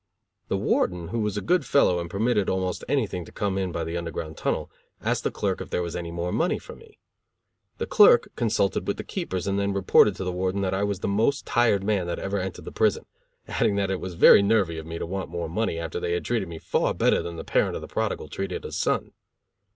The Warden, who was a good fellow and permitted almost anything to come in by the Underground Tunnel, asked the clerk if there was any more money for me. The clerk consulted with the keepers and then reported to the Warden that I was the most tired man that ever entered the prison; adding that it was very nervy of me to want more money, after they had treated me far better than the parent of the Prodigal treated his son.